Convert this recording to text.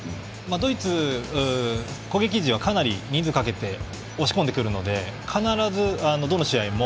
ドイツは攻撃陣がかなり人数かけて押し込んでくるので必ず、どの試合も